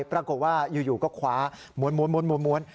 ปรากฏว่าอยู่ก็คว้าม้วน